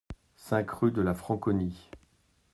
cinq rue de la Franconie